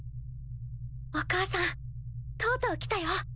お母さんとうとう来たよ。